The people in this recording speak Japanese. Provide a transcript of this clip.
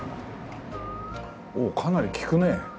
おおかなり利くね。